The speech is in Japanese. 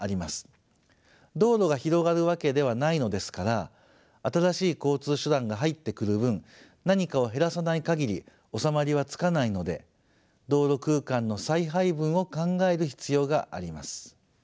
道路が広がるわけではないのですから新しい交通手段が入ってくる分何かを減らさない限り収まりはつかないので道路空間の再配分を考える必要があります。